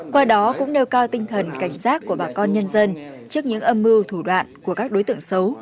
qua đó cũng nêu cao tinh thần cảnh giác của bà con nhân dân trước những âm mưu thủ đoạn của các đối tượng xấu